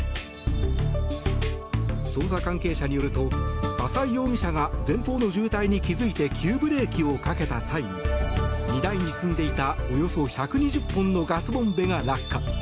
捜査関係者によると浅井容疑者が前方の渋滞に気づいて急ブレーキをかけた際に荷台に積んでいたおよそ１２０本のガスボンベが落下。